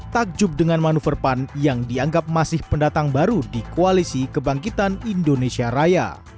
takjub dengan manuver pan yang dianggap masih pendatang baru di koalisi kebangkitan indonesia raya